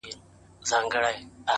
د وخت جلاد ته به د اوښکو په مثال ږغېږم-